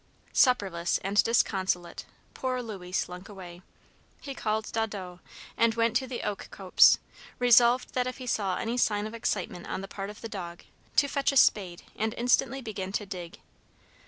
Supperless and disconsolate poor Louis slunk away. He called Daudot, and went to the oak copse, resolved that if he saw any sign of excitement on the part of the dog, to fetch a spade and instantly begin to dig.